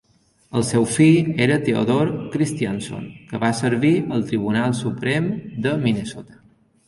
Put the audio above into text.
El seu fill era Theodore Christianson, que va servir al Tribunal Suprem de Minnesota.